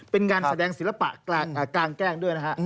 เป็นงานแสดงศิลปะกลางแกล้งด้วยนะฮะ